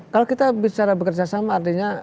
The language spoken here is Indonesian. kalau kita bicara bekerjasama artinya